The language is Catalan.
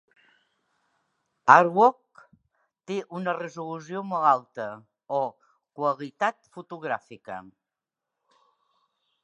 Artwork té una resolució molt alta o qualitat fotogràfica.